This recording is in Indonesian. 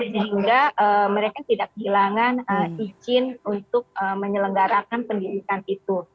sehingga mereka tidak kehilangan izin untuk menyelenggarakan pendidikan itu